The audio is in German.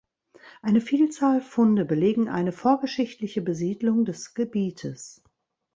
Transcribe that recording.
Eine Vielzahl Funde belegen eine vorgeschichtliche Besiedlung des Gebietes.